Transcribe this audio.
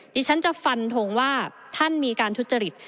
ดิฉันจะฟันทงว่าท่านมีการทุจริต